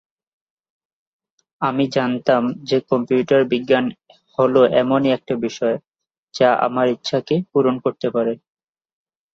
আমি জানতাম যে কম্পিউটার বিজ্ঞান হল এমনই একটা বিষয় যা আমার ইচ্ছাকে পূরণ করতে পারে।